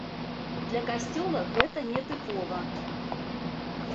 Для касцёла гэта не тыпова.